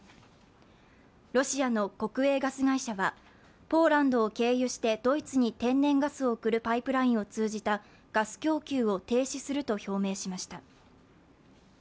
ロシアの国営ガス会社はポーランドを経由してドイツに天然ガスを送るパイプラインを通じたガス供給を停止すると表明しました。